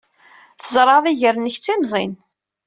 Tzerɛeḍ iger-nnek d timẓin.